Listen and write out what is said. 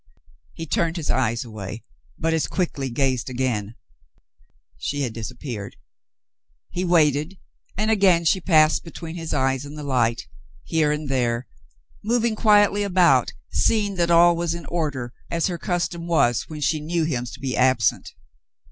He turned his eyes away, but as quickly gazed again; she had disappeared. He waited, and again she passed between his eyes and the light, here and there, moving quietly about, seeing that all was in order, as her custom was when she knew him to be absent.